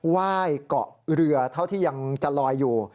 ไหว้เกาะเรือเท่าที่ยังจะลอยอยู่